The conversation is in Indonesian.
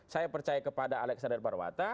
saya percaya kepada alexander marwata